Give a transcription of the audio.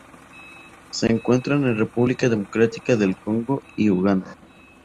Se encuentran en República Democrática del Congo y Uganda.